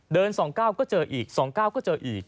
เดินสองก้าวก็เจออีกสองก้าวก็เจออีก